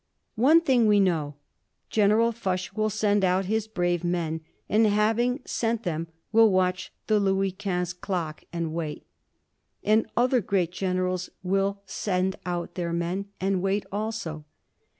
] One thing we know: General Foch will send out his brave men, and, having sent them, will watch the Louis Quinze clock and wait. And other great generals will send out their men, and wait also.